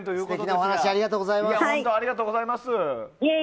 素敵なお話ありがとうございます。